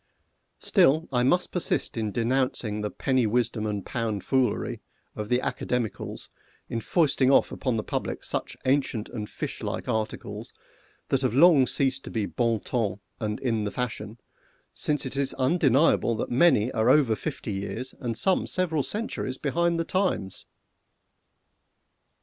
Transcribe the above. Still I must persist in denouncing the penny wisdom and pound foolery of the Academicals in foisting off upon the public such ancient and fish like articles that have long ceased to be bon ton and in the fashion, since it is undeniable that many are over fifty years, and some several centuries behind the times!